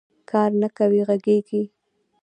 کار نه کوې غږېږې